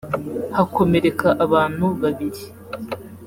hakomereka abantu babiri